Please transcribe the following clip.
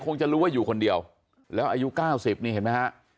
คงจะรู้ว่าอยู่คนเดียวแล้วอายุ๙๐นี่เห็นไหมฮะ